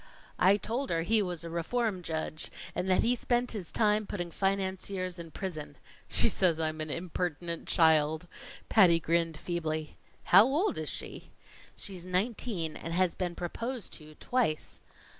I told her he was a reform judge, and that he spent his time putting financiers in prison. She says I'm an impertinent child," Patty grinned feebly. "How old is she?" "She's nineteen, and has been proposed to twice."